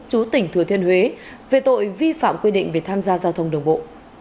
chú tỉnh thừa thiên huế về tội vi phạm quy định về tham gia giao thông đường bộ